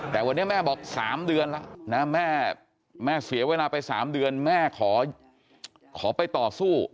แต่วันนี้แม่บอก๓เดือนแล้วนะแม่เสียเวลาไป๓เดือนแม่ขอไปต่อสู้